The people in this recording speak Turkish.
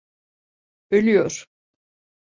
Ölüyor.